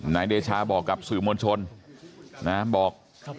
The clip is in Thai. นายเดชาบอกกับสื่อมวลชนนะบอก